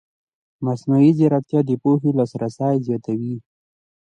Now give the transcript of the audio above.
مصنوعي ځیرکتیا د پوهې لاسرسی پراخوي.